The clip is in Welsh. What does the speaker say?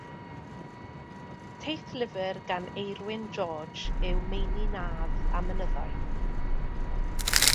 Teithlyfr gan Eirwyn George yw Meini Nadd a Mynyddoedd.